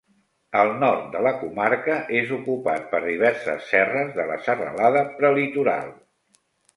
El nord de la comarca és ocupat per diverses serres de la Serralada Prelitoral.